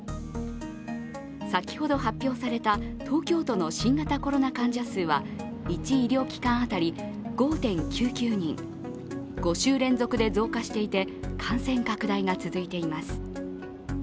先ほど発表された東京都の新型コロナ患者数は１医療機関当たり５．９９人、５週連続で増加していて感染拡大が続いています。